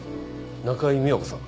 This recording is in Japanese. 中井美和子さん？